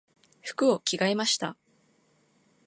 服を着替えました。